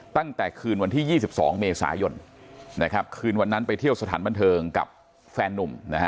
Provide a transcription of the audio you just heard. ตั้งแต่คืนวันที่๒๒เมษายนคืนวันนั้นไปเที่ยวสถานบันเทิงกับแฟนนุ่มนะฮะ